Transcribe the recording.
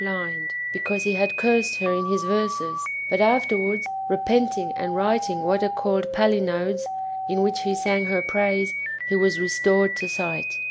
blind, because he had cursed her in his verses, but afterwards, repenting and writing what are called palinodes^ in which he sang her praise, he was restored to sight.